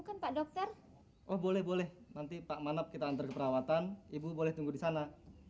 kan pak dokter oh boleh boleh nanti pak manap kita antar ke perawatan ibu boleh tunggu di sana